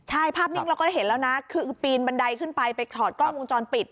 ใช่ภาพนิ่งเราก็ได้เห็นแล้วนะคือปีนบันไดขึ้นไปไปถอดกล้องวงจรปิด